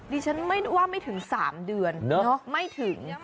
ดิฉันไม่ว่าไม่ถึง๓เดือนไม่ถึง